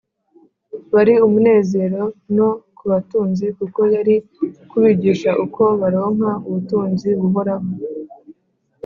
wari umunezero no ku batunzi kuko yari kubigisha uko baronka ubutunzi buhoraho